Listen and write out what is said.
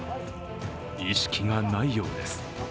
意識がないようです。